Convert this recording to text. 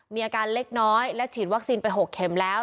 มีอาการเล็กน้อยและฉีดวัคซีนไป๖เข็มแล้ว